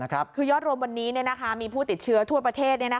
คือยอดรวมวันนี้มีผู้ติดเชื้อทั่วประเทศ